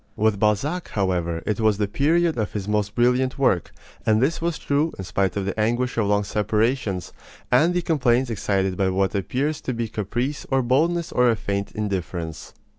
With Balzac, however, it was the period of his most brilliant work; and this was true in spite of the anguish of long separations, and the complaints excited by what appears to be caprice or boldness or a faint indifference.